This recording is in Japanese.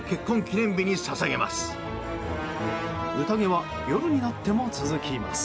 宴は夜になっても続きます。